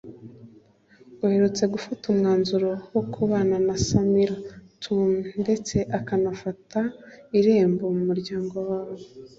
uherutse gufata umwanzuro wo kubana na Samira Tumi ndetse akanafata irembo mu muryango wabo